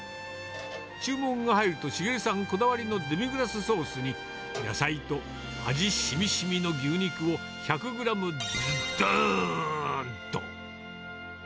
注文が入ると、繁さんこだわりのデミグラスソースに、野菜と味しみしみの牛肉を、１００グラムどーんと。